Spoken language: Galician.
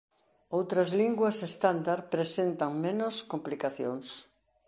Outras linguas estándar presentan menos complicacións.